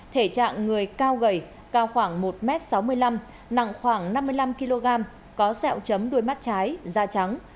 thể trạng người cao gầy cao khoảng một m sáu mươi năm nặng khoảng năm mươi năm kg có sẹo chấm đuôi mắt trái da trắng